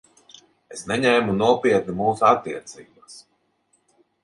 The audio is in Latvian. Es neņēmu nopietni mūsu attiecības.